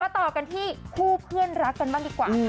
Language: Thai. ต่อกันที่คู่เพื่อนรักกันบ้างดีกว่าค่ะ